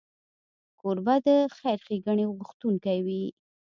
کوربه د خیر ښیګڼې غوښتونکی وي.